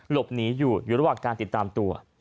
หลบหนีอยู่อยู่ระหว่างการติดตามตัว